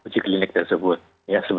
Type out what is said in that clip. ya karena vaksin sudah lengkap